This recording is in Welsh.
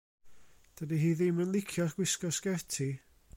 Dydi hi ddim yn licio gwisgo sgerti.